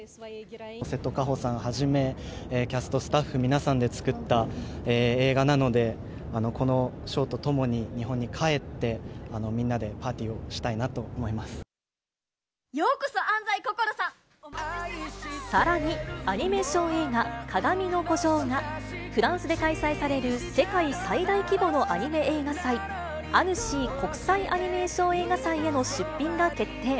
瀬戸かほさんはじめ、キャスト、スタッフ皆さんで作った映画なので、この賞と共に日本に帰って、みんなでパーティーをしたいなとようこそ、さらに、アニメーション映画、かがみの孤城が、フランスで開催される世界最大規模のアニメ映画祭、アヌシー・国際アニメーション映画祭への出品が決定。